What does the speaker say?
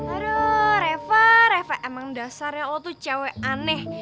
aduh reva reva emang dasarnya oh tuh cewek aneh